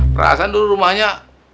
perasaan dulu rumahnya